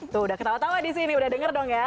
tuh udah ketawa tawa di sini udah denger dong ya